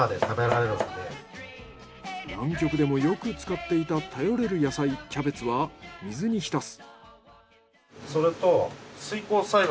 南極でもよく使っていた頼れる野菜キャベツは水に浸す。